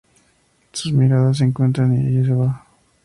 Sus miradas se encuentran y ella se va.